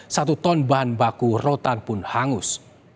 satu ton bahan baku rotan pun hangus